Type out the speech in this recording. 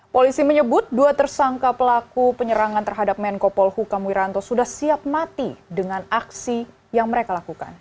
polisi menyebut dua tersangka pelaku penyerangan terhadap menko polhukam wiranto sudah siap mati dengan aksi yang mereka lakukan